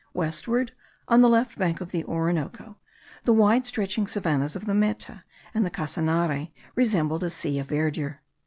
Westward, on the left bank of the Orinoco, the wide stretching savannahs of the Meta and the Casanare resembled a sea of verdure.